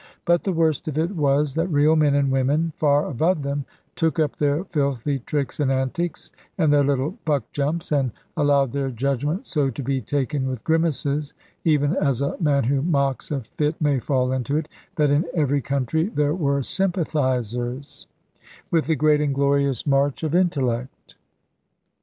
But the worst of it was that real men, and women, far above them, took up their filthy tricks and antics, and their little buck jumps, and allowed their judgment so to be taken with grimaces even as a man who mocks a fit may fall into it that in every country there were "sympathisers with the great and glorious march of intellect."